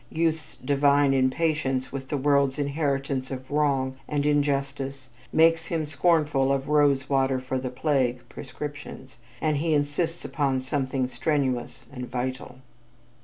Youth's divine impatience with the world's inheritance of wrong and injustice makes him scornful of "rose water for the plague" prescriptions, and he insists upon something strenuous and vital.